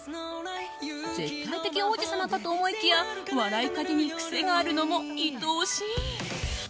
絶対的王子様かと思いきや笑い方に癖があるのも愛おしい。